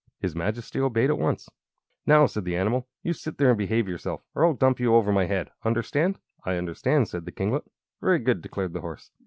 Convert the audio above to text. His Majesty obeyed, at once. "Now," said the animal, "you sit still and behave yourself, or I'll dump you over my head. Understand?" "I understand," said the kinglet. "Very good!" declared the horse.